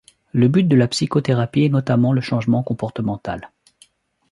Le but de la psychothérapie est notamment le changement comportemental.